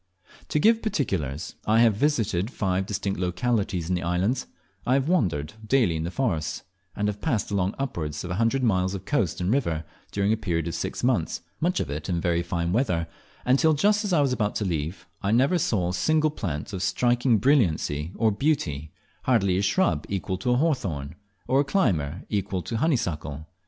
To give particulars: I have visited five distinct localities in the islands, I have wandered daily in the forests, and have passed along upwards of a hundred miles of coast and river during a period of six months, much of it very fine weather, and till just as I was about to leave, I never saw a single plant of striking brilliancy or beauty, hardly a shrub equal to a hawthorn, or a climber equal to a honeysuckle!